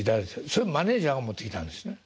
それマネージャーが持ってきたんですね？